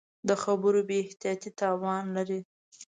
د خبرو بې احتیاطي تاوان لري